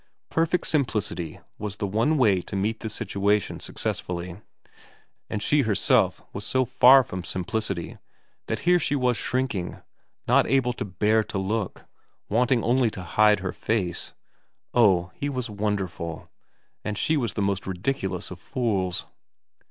Perfect simplicity was the one way to meet this situation successfully ; and she herself was so far from simplicity that here she was shrinking, not able to bear to look, wanting only to hide her face, oh, he was wonderful, and she was the most ridiculous of fools.